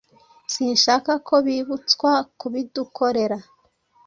Sinshaka ko bibutswa kubidukorera.